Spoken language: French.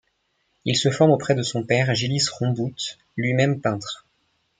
Il se forme auprès de son père Gillis Rombouts lui-même peintre.